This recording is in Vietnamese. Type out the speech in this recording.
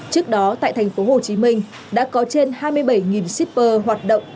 trước đó tại thành phố hồ chí minh đã có trên hai mươi bảy shipper hoạt động